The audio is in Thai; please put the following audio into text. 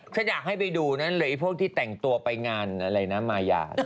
ฉันอยากให้ไปดูนั่นเลยพวกที่แต่งตัวไปงานอะไรนะมายา